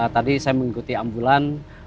tadi saya mengikuti ambulan